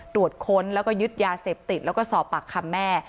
ตรวจค้นแล้วก็ยึดยาเสพติดแล้วก็สอบปากคำแม่